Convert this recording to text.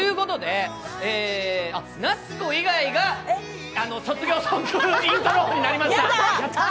夏子以外が卒業ソングイントロ王になりました。